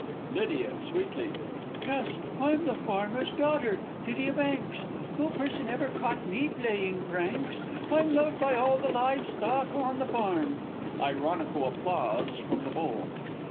Lydia (sweetly). Yes, I'm the Farmer's daughter Lydia Banks; No person ever caught me playing pranks! I'm loved by all the live stock on the farm, [_Ironical applause from the Bull.